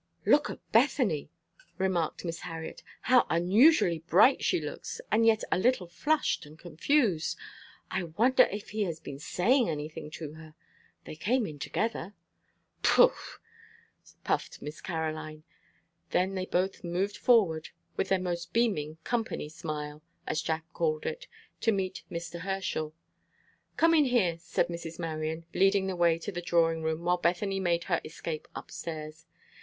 "Look at Bethany," remarked Miss Harriet. "How unusually bright she looks, and yet a little flushed and confused. I wonder if he has been saying anything to her. They came in together." "Pooh!" puffed Miss Caroline. Then they both moved forward with their most beaming "company smile," as Jack called it, to meet Mr. Herschel. "Come in here," said Mrs. Marion, leading the way into the drawing room, while Bethany made her escape up stairs.